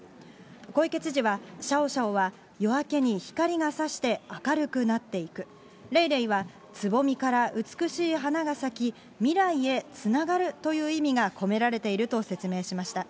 小池知事は、シャオシャオは夜明けに光がさして明るくなっていく、レイレイはつぼみから美しい花が咲き、未来へつながるという意味が込められていると説明しました。